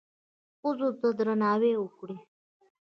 ښځو ته درناوی وکړئ